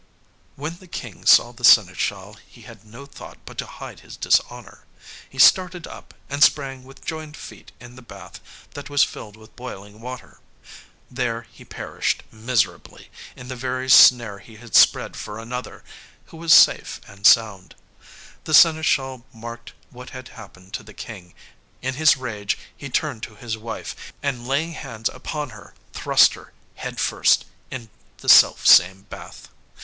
When the King saw the seneschal he had no thought but to hide his dishonour. He started up, and sprang with joined feet in the bath that was filled with boiling water. There he perished miserably, in the very snare he had spread for another, who was safe and sound. The seneschal marked what had happened to the King. In his rage he turned to his wife, and laying hands upon her thrust her, head first, in the self same bath.